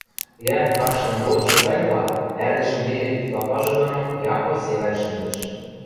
йӓнг карштым годшы ганьла ӓрдӹжӹм нелӹ кидлапажы доно Яко севӓл шӹндӹш.